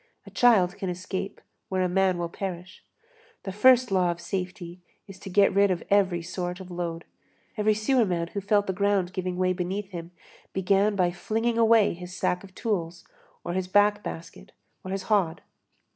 A child can escape where a man will perish. The first law of safety is to get rid of every sort of load. Every sewerman who felt the ground giving way beneath him began by flinging away his sack of tools, or his back basket, or his hod.